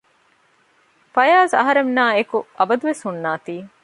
ފަޔާޒު އަހަރެންނާއި އެކު އަބަދުވެސް ހުންނާތީ